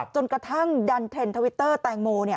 จนกระทั่งดันเทรนด์ทวิตเตอร์แตงโม